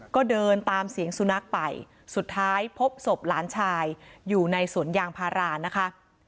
ก็เดินตามเสียงสุนัขไปสุดท้ายพบศพหลานชายอยู่ในสวนยางพารานะคะ